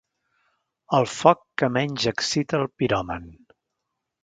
El foc que menys excita el piròman.